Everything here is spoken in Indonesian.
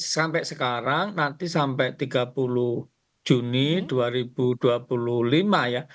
sampai sekarang nanti sampai tiga puluh juni dua ribu dua puluh lima ya